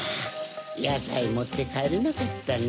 やさいもってかえれなかったな。